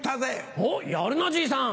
おっやるなじいさん。